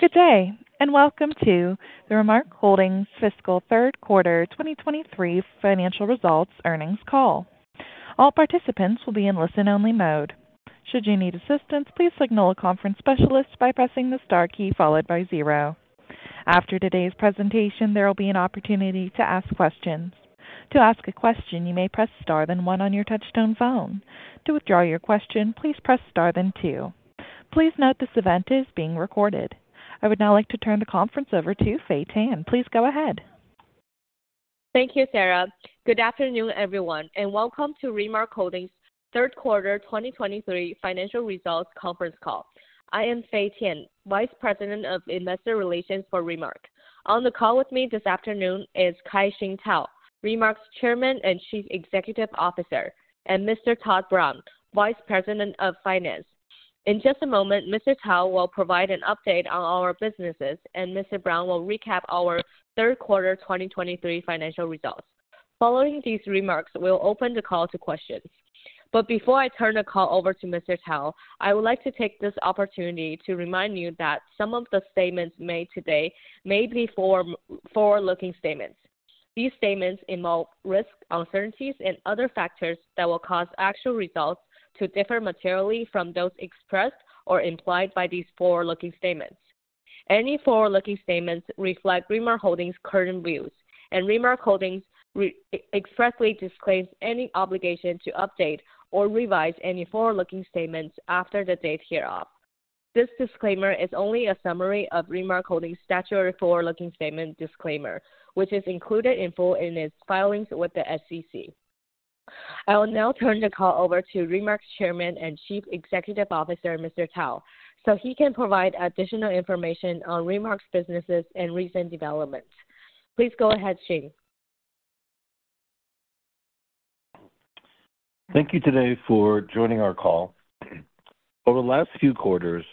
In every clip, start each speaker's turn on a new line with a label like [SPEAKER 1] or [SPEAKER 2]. [SPEAKER 1] Good day, and welcome to the Remark Holdings Fiscal Third Quarter 2023 Financial Results Earnings Call. All participants will be in listen-only mode. Should you need assistance, please signal a conference specialist by pressing the star key followed by zero. After today's presentation, there will be an opportunity to ask questions. To ask a question, you may press star then one on your touchtone phone. To withdraw your question, please press star then two. Please note this event is being recorded. I would now like to turn the conference over to Fay Tian. Please go ahead.
[SPEAKER 2] Thank you, Sarah. Good afternoon, everyone, and welcome to Remark Holdings' third quarter 2023 financial results conference call. I am Fay Tian, Vice President of Investor Relations for Remark. On the call with me this afternoon is Kai-Shing Tao, Remark's Chairman and Chief Executive Officer, and Mr. Todd Brown, Vice President of Finance. In just a moment, Mr. Tao will provide an update on our businesses, and Mr. Brown will recap our third quarter 2023 financial results. Following these remarks, we'll open the call to questions. But before I turn the call over to Mr. Tao, I would like to take this opportunity to remind you that some of the statements made today may be forward-looking statements. These statements involve risks, uncertainties, and other factors that will cause actual results to differ materially from those expressed or implied by these forward-looking statements. Any forward-looking statements reflect Remark Holdings' current views, and Remark Holdings expressly disclaims any obligation to update or revise any forward-looking statements after the date hereof. This disclaimer is only a summary of Remark Holdings' statutory, forward-looking statement disclaimer, which is included in full in its filings with the SEC. I will now turn the call over to Remark's Chairman and Chief Executive Officer, Mr. Tao, so he can provide additional information on Remark's businesses and recent developments. Please go ahead, Kai-Shing.
[SPEAKER 3] Thank you today for joining our call. Over the last few quarters,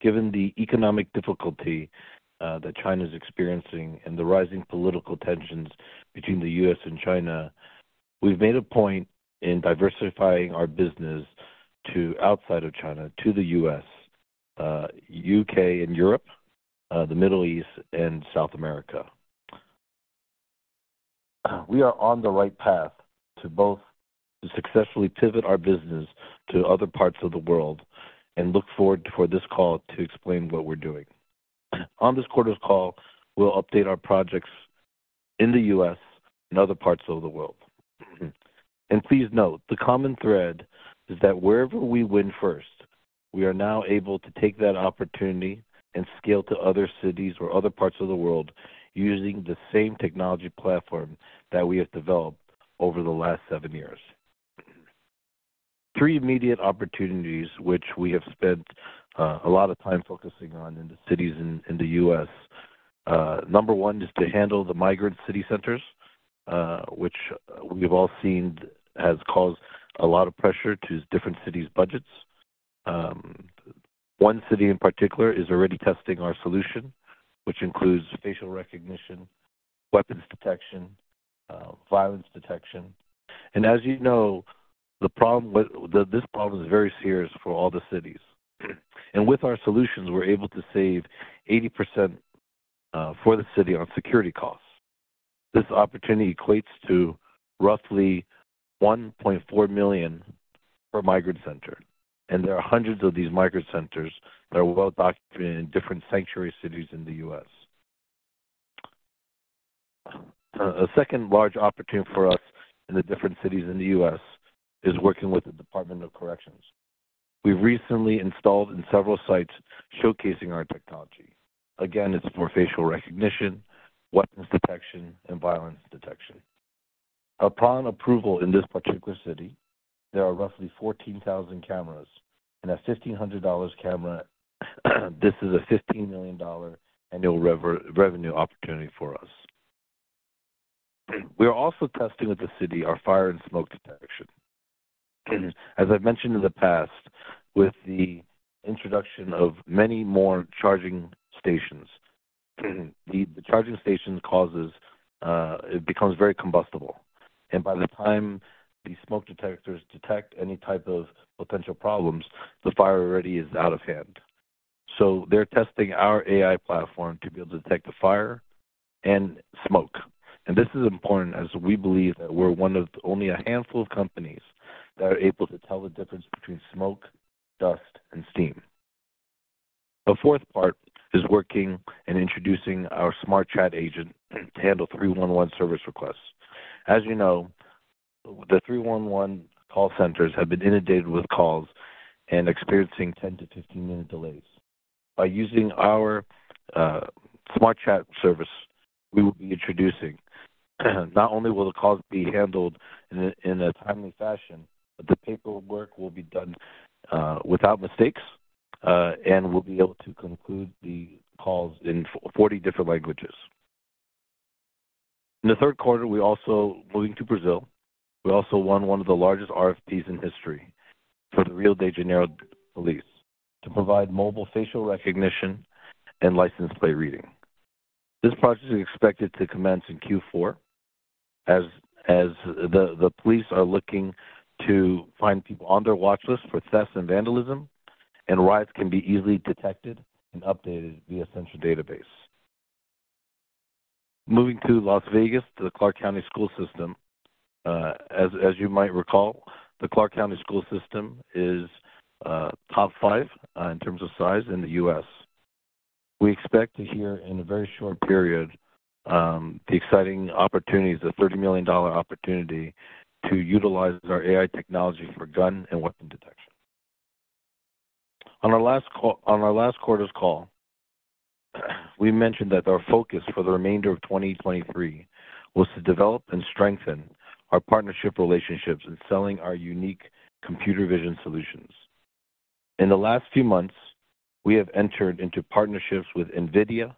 [SPEAKER 3] given the economic difficulty, that China is experiencing and the rising political tensions between the U.S. and China, we've made a point in diversifying our business to outside of China to the U.S., U.K. and Europe, the Middle East and South America. We are on the right path to both successfully pivot our business to other parts of the world and look forward for this call to explain what we're doing. On this quarter's call, we'll update our projects in the U.S. and other parts of the world. Please note, the common thread is that wherever we win first, we are now able to take that opportunity and scale to other cities or other parts of the world using the same technology platform that we have developed over the last seven years. Three immediate opportunities which we have spent a lot of time focusing on in the cities in the U.S. Number one is to handle the migrant city centers, which we've all seen has caused a lot of pressure to different cities' budgets. One city in particular is already testing our solution, which includes facial recognition, weapons detection, violence detection. And as you know, this problem is very serious for all the cities. And with our solutions, we're able to save 80% for the city on security costs. This opportunity equates to roughly $1.4 million per migrant center, and there are hundreds of these migrant centers that are well documented in different sanctuary cities in the U.S. A second large opportunity for us in the different cities in the U.S. is working with the Department of Corrections. We've recently installed in several sites showcasing our technology. Again, it's for facial recognition, weapons detection, and violence detection. Upon approval in this particular city, there are roughly 14,000 cameras, and at $1,500 camera, this is a $15 million annual revenue opportunity for us. We are also testing with the city our fire and smoke detection. As I've mentioned in the past, with the introduction of many more charging stations, the charging stations causes it becomes very combustible, and by the time these smoke detectors detect any type of potential problems, the fire already is out of hand. So they're testing our AI platform to be able to detect the fire and smoke. And this is important as we believe that we're one of only a handful of companies that are able to tell the difference between smoke, dust, and steam. The fourth part is working and introducing our smart chat agent to handle 311 service requests. As you know, the 311 call centers have been inundated with calls and experiencing 10 minutes-15 minute delays. By using our smart chat service, we will be introducing, not only will the calls be handled in a timely fashion, but the paperwork will be done without mistakes, and we'll be able to conclude the calls in 40 different languages. In the third quarter, we also moving to Brazil, we also won one of the largest RFPs in history for the Rio de Janeiro police to provide mobile facial recognition and license plate reading. This project is expected to commence in Q4, as the police are looking to find people on their watchlist for theft and vandalism, and riots can be easily detected and updated via central database. Moving to Las Vegas, to the Clark County School District, as you might recall, the Clark County School District is top five in terms of size in the U.S. We expect to hear in a very short period the exciting opportunities, the $30 million opportunity to utilize our AI technology for gun and weapon detection. On our last call, on our last quarter's call, we mentioned that our focus for the remainder of 2023 was to develop and strengthen our partnership relationships in selling our unique computer vision solutions. In the last few months, we have entered into partnerships with NVIDIA,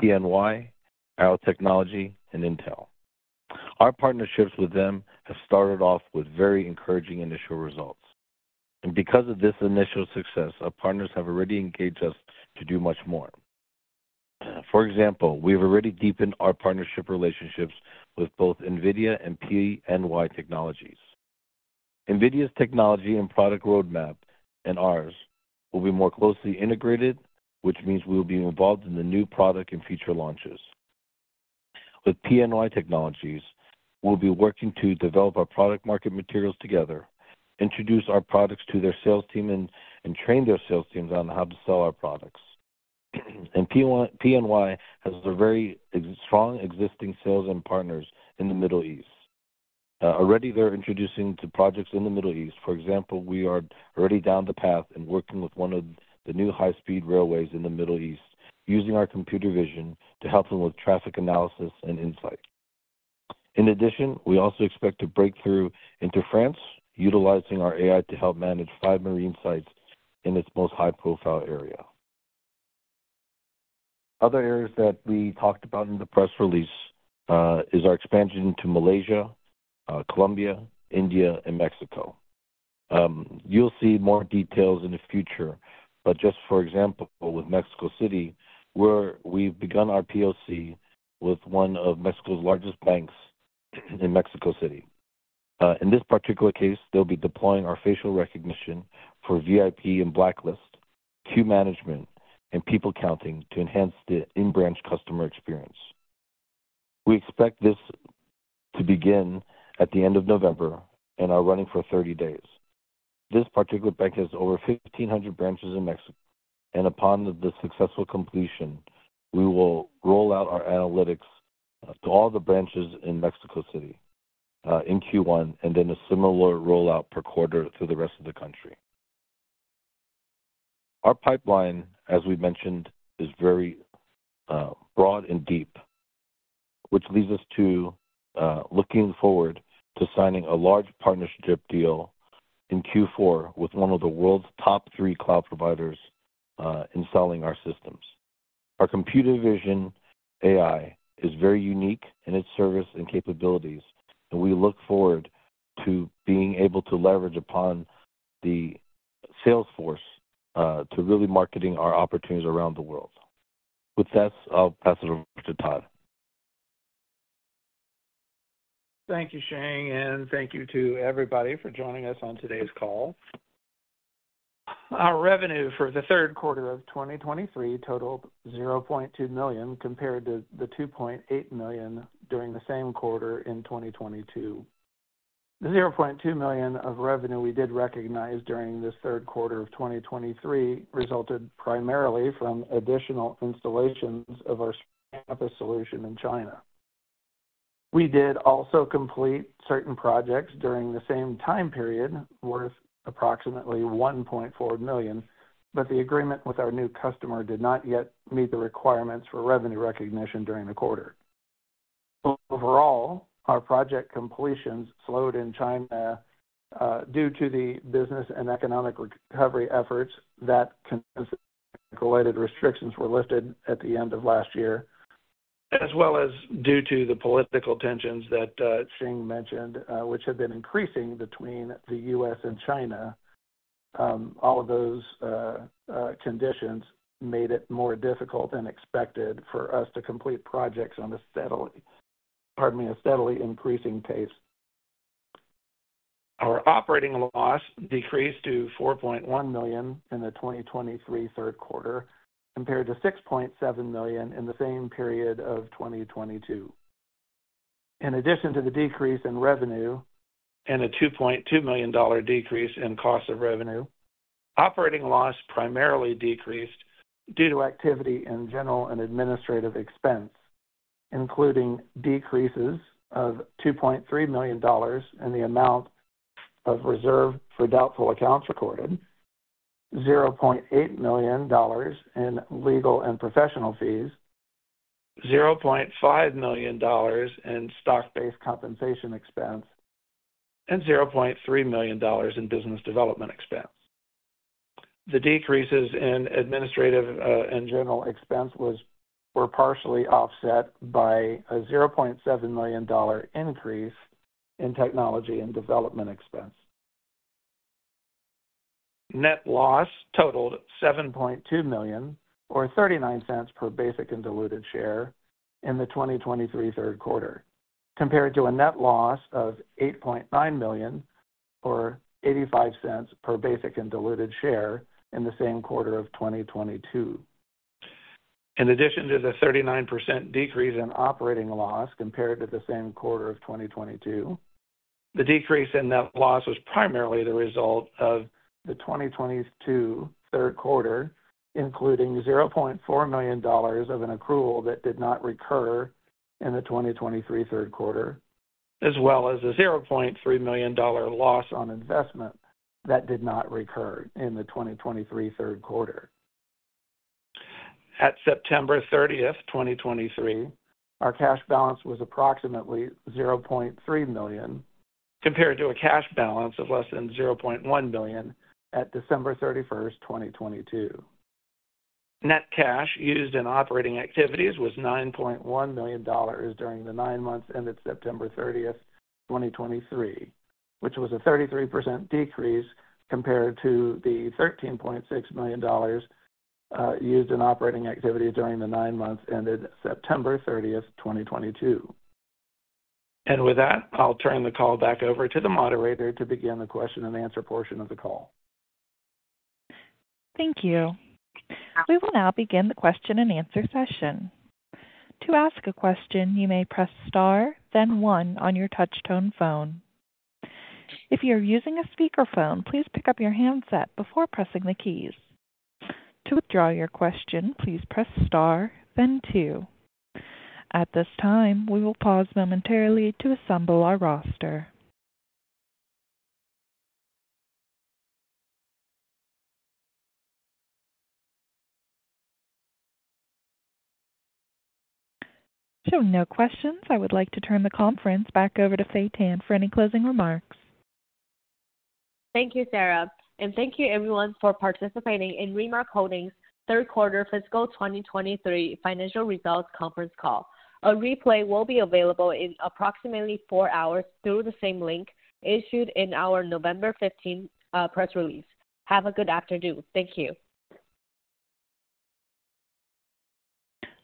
[SPEAKER 3] PNY, Arrow Technology, and Intel. Our partnerships with them have started off with very encouraging initial results, and because of this initial success, our partners have already engaged us to do much more. For example, we've already deepened our partnership relationships with both NVIDIA and PNY Technologies. NVIDIA's technology and product roadmap and ours will be more closely integrated, which means we will be involved in the new product and future launches. With PNY Technologies, we'll be working to develop our product market materials together, introduce our products to their sales team, and train their sales teams on how to sell our products. And PNY has a very strong existing sales and partners in the Middle East. Already, they're introducing to projects in the Middle East. For example, we are already down the path in working with one of the new high-speed railways in the Middle East, using our computer vision to help them with traffic analysis and insight. In addition, we also expect to break through into France, utilizing our AI to help manage five marine sites in its most high-profile area. Other areas that we talked about in the press release is our expansion into Malaysia, Colombia, India, and Mexico. You'll see more details in the future, but just for example, with Mexico City, where we've begun our POC with one of Mexico's largest banks in Mexico City. In this particular case, they'll be deploying our facial recognition for VIP and blacklist, queue management, and people counting to enhance the in-branch customer experience. We expect this to begin at the end of November and are running for 30 days. This particular bank has over 1,500 branches in Mexico, and upon the successful completion, we will roll out our analytics to all the branches in Mexico City, in Q1, and then a similar rollout per quarter to the rest of the country. Our pipeline, as we mentioned, is very broad and deep, which leads us to looking forward to signing a large partnership deal in Q4 with one of the world's top three cloud providers, installing our systems. Our computer vision AI is very unique in its service and capabilities, and we look forward to being able to leverage upon the sales force to really marketing our opportunities around the world. With that, I'll pass it over to Todd.
[SPEAKER 4] Thank you, Shing, and thank you to everybody for joining us on today's call. Our revenue for the third quarter of 2023 totaled $0.2 million, compared to the $2.8 million during the same quarter in 2022. The $0.2 million of revenue we did recognize during this third quarter of 2023 resulted primarily from additional installations of our campus solution in China. We did also complete certain projects during the same time period, worth approximately $1.4 million, but the agreement with our new customer did not yet meet the requirements for revenue recognition during the quarter. Overall, our project completions slowed in China due to the business and economic recovery efforts that COVID-related restrictions were lifted at the end of last year, as well as due to the political tensions that Kai-Shing mentioned, which have been increasing between the U.S. and China. All of those conditions made it more difficult than expected for us to complete projects on a steadily, pardon me, a steadily increasing pace. Our operating loss decreased to $4.1 million in the 2023 third quarter, compared to $6.7 million in the same period of 2022. In addition to the decrease in revenue and a $2.2 million decrease in cost of revenue, operating loss primarily decreased due to activity in general and administrative expense, including decreases of $2.3 million in the amount of reserve for doubtful accounts recorded, $0.8 million in legal and professional fees, $0.5 million in stock-based compensation expense, and $0.3 million in business development expense. The decreases in administrative and general expense were partially offset by a $0.7 million increase in technology and development expense. Net loss totaled $7.2 million, or $0.39 per basic and diluted share in the 2023 third quarter, compared to a net loss of $8.9 million, or $0.85 per basic and diluted share in the same quarter of 2022. In addition to the 39% decrease in operating loss compared to the same quarter of 2022, the decrease in net loss was primarily the result of the 2022 third quarter, including $0.4 million of an accrual that did not recur in the 2023 third quarter, as well as a $0.3 million loss on investment that did not recur in the 2023 third quarter. At September 30, 2023, our cash balance was approximately $0.3 million, compared to a cash balance of less than $0.1 million at December 31st, 2022. Net cash used in operating activities was $9.1 million during the nine months ended September 30th, 2023, which was a 33% decrease compared to the $13.6 million used in operating activity during the nine months ended September 30th, 2022. With that, I'll turn the call back over to the moderator to begin the question and answer portion of the call.
[SPEAKER 1] Thank you. We will now begin the question and answer session. To ask a question, you may press star, then one on your touchtone phone. If you are using a speakerphone, please pick up your handset before pressing the keys. To withdraw your question, please press star, then two. At this time, we will pause momentarily to assemble our roster. Showing no questions, I would like to turn the conference back over to Fay Tian for any closing remarks.
[SPEAKER 2] Thank you, Sarah, and thank you everyone for participating in Remark Holdings third quarter fiscal 2023 financial results conference call. A replay will be available in approximately four hours through the same link issued in our November 15th press release. Have a good afternoon. Thank you.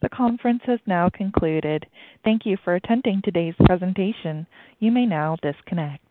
[SPEAKER 1] The conference has now concluded. Thank you for attending today's presentation. You may now disconnect.